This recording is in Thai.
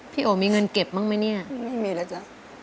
พี่โอมีเงินเก็บบ้างไหมเนี้ยไม่มีเลยจ๊ะ